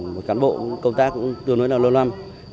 một cán bộ công tác tương đối là lâu lắm